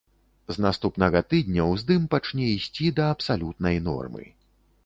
З наступнага тыдня уздым пачне ісці да абсалютнай нормы.